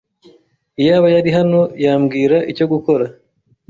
Iyaba yari hano, yambwira icyo gukora.